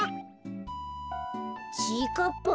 ちぃかっぱ？